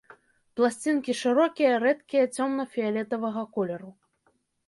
Пласцінкі, шырокія, рэдкія, цёмна-фіялетавага колеру.